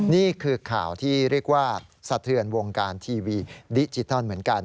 นี่คือข่าวที่เรียกว่าสะเทือนวงการทีวีดิจิทัลเหมือนกัน